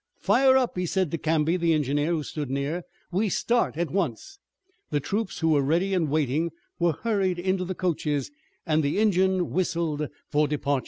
"Fire up!" he said to Canby, the engineer, who stood near. "We start at once!" The troops who were ready and waiting were hurried into the coaches, and the engine whistled for departure.